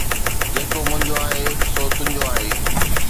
جيڪو منهنجو آهي سو تنهنجو آهي